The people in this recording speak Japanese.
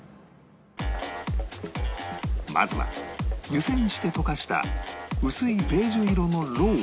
まずは湯煎して溶かした薄いベージュ色のろうを